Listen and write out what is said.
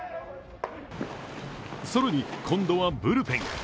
更に、今度はブルペンへ。